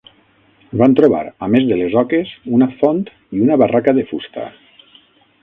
Van trobar, a més de les oques, una font i una barraca de fusta